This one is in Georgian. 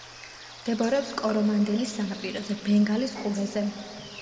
მდებარეობს კორომანდელის სანაპიროზე, ბენგალის ყურეზე.